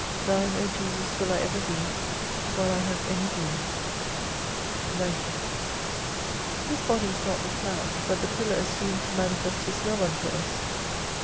Thine O Jesus will I ever be while I have any Being. 90 This Body is not tne cloud, but the pillar assumed to manifest His love unto us.